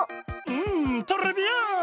んトレビアーン！